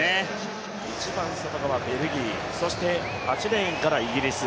一番外側ベルギー、８レーンからはイギリス。